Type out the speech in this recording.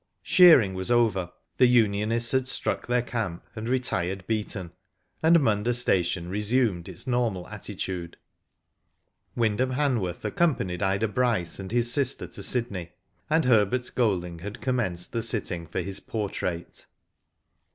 Shearing was over, the unionists had struck their camp, and retired beaten, and Munda station re sumed its normal attitude. Wyndham Hanworth accompanied Ida Bryce and his sister to Sydney, and Herbert Golding had commenced the sitting for his portrait.